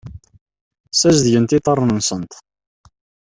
Ssazedgent iḍarren-nsent.